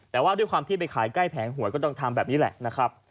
แต่ว่าด้วยความที่ไปขายใกล้แผงหวยก็ต้องทำแบบนี้แหละนะครับ